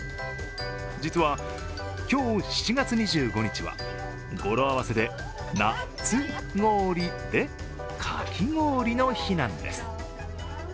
実は、今日７月２５日は語呂合わせでなつごおりで、かき氷の日なんです。